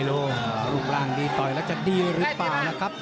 รูปร่างดีต่อยแล้วจะดีหรือเปล่าล่ะครับ